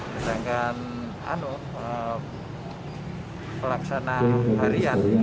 sedangkan pelaksanaan harian